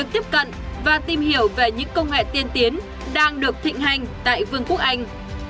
tiếp cận và tìm hiểu về những công nghệ tiên tiến đang được thịnh hành tại vương quốc anh